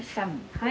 はい。